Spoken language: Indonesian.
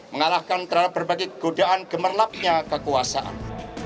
mengalahkan terhadap berbagai godaan gemerlapnya kekuasaan